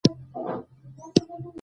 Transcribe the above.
کیمیاګر د مثبت فکر فلسفه رواج کړه.